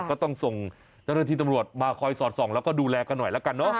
ก็ต้องส่งเจ้าหน้าที่ตำรวจมาคอยสอดส่องแล้วก็ดูแลกันหน่อยละกันเนอะ